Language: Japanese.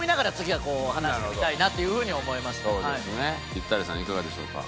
ピッタリさんいかがでしょうか？